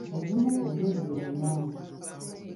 Ebimu ku byo bye bino: